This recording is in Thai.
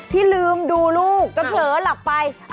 ที่ลืมดูลูกจะเผลอหลับไป